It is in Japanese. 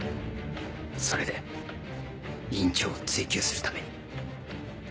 それで院長を追及するために。